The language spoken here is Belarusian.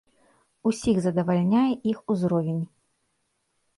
Усіх задавальняе іх узровень.